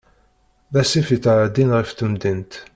D asif yettεeddin ɣef temdint.